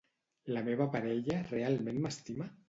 La meva parella realment m'estima?